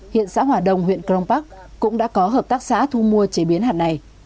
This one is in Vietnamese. hiện xã hòa đông huyện cron park cũng đã có hợp tác xã thu mua chế biến hạt này